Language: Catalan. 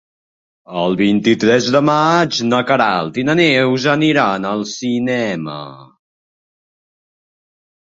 El vint-i-tres de maig na Queralt i na Neus aniran al cinema.